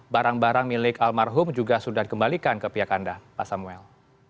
barang barang milik almarhum juga sudah dikembalikan ke pihak anda pak samuel